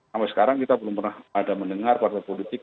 sampai sekarang kita belum pernah ada mendengar partai politik